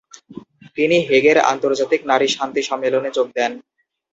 তিনি হেগের আন্তর্জাতিক নারী শান্তি সম্মেলনে যোগ দেন।